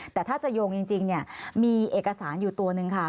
แต่ถ้าจะโยงจริงมีเอกสารอยู่ตัวนึงค่ะ